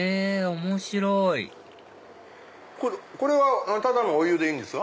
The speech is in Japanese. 面白いこれはただのお湯でいいんですか？